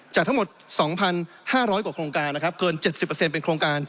จากทั้งหมด๒๕๐๐กว่าโครงการนะครับเกิน๗๐เป็นโครงการ